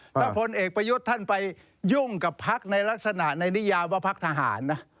ถ้าพลเอกประยุทธ์ท่านไปยุ่งกับพักในลักษณะในนิยามว่าพักทหารนะ